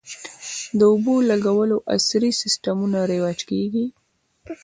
د اوبولګولو عصري سیستمونه رواج کیږي